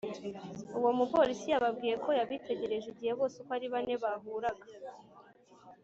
Uwo mupolisi yababwiye ko yabitegereje igihe bose uko ari bane bahuraga